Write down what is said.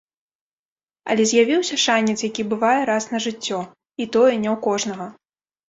Але з'явіўся шанец, які бывае раз на жыццё, і тое, не ў кожнага.